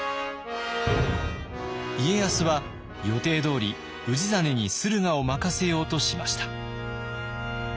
家康は予定どおり氏真に駿河を任せようとしました。